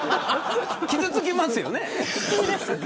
傷つきますよね。